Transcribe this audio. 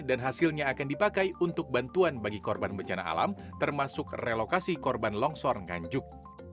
dan hasilnya akan dipakai untuk bantuan bagi korban bencana alam termasuk relokasi korban longsor nganjuk